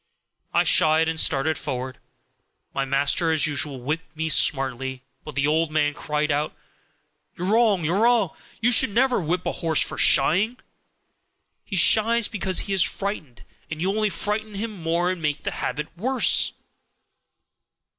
I shied and started forward. My master as usual whipped me smartly, but the old man cried out, 'You're wrong! you're wrong! You should never whip a horse for shying; he shies because he is frightened, and you only frighten him more and make the habit worse.'